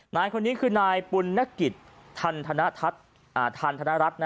นายคนนี้คือนายปุณนกิจทันธนรัฐ